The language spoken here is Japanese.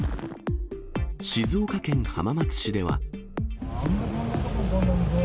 静岡県浜松市では。